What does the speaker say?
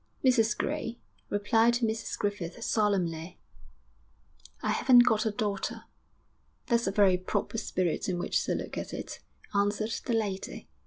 'Mrs Gray,' replied Mrs Griffith, solemnly, 'I haven't got a daughter.' 'That's a very proper spirit in which to look at it,' answered the lady....